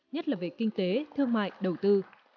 nhất là về kinh tế thương mại đầu tư